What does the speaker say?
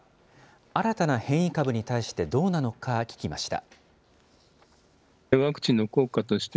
新たな変異株に対してどうなのか聞きました。